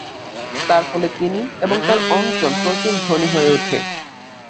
তার ফলে তিনি এবং তাঁর অঞ্চল প্রচুর ধনী হয়ে ওঠে।